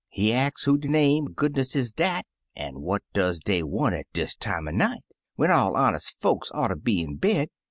He ax who de name er goodness is dat, an* what does dey want at dis time er night, when all honest folks oughter be in bed.